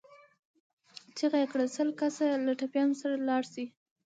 چيغه يې کړه! سل کسه له ټپيانو سره لاړ شئ.